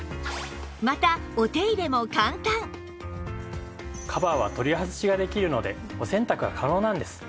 またカバーは取り外しができるのでお洗濯が可能なんです。